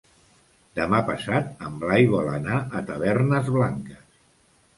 Demà passat en Blai vol anar a Tavernes Blanques.